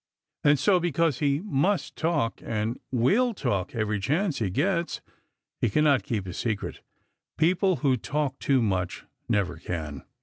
And so, because he MUST talk and WILL talk every chance he gets, he cannot keep a secret. People who talk too much never can.